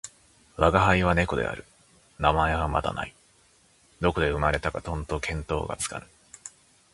吾輩は猫である。名前はまだない。どこで生れたかとんと見当がつかぬ。